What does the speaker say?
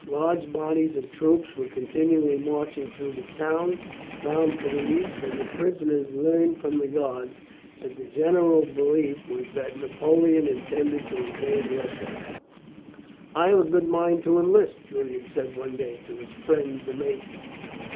Large bodies of troops were continually marching through the town bound for the east, and the prisoners learned from the guards that the general belief was that Napoleon intended to invade Russia. "I have a good mind to enlist," Julian said one day, to his friend the mate.